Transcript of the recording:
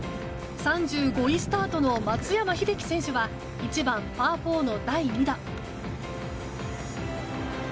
３５位スタートの松山英樹選手は１番、パー４の第２打。